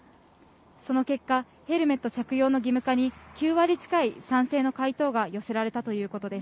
その結果、ヘルメット着用の義務化に９割近い賛成の回答が寄せられたということです。